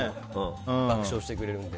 爆笑してくれるんで。